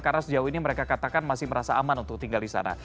karena sejauh ini mereka katakan masih merasa aman untuk tinggal di sana